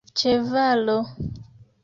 ĉevalo